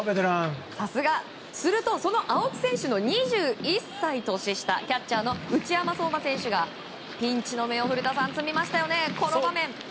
するとその青木選手の２１歳年下キャッチャーの内山壮真選手がピンチの芽を古田さん摘みましたよね、この場面。